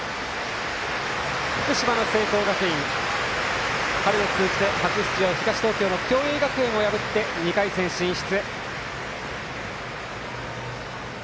福島の聖光学院、春夏通じて初出場の共栄学園を破って２回戦進出。